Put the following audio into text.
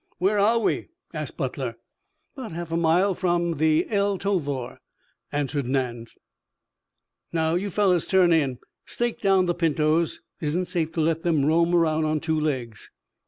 "Where are we?" asked Butler. "'Bout half a mile from the El Tovar," answered Nance. "Now you fellows turn in. Stake down the pintos. Isn't safe to let them roam around on two legs."